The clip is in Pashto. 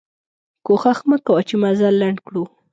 کوښښ مو کوه چې مزل لنډ کړو.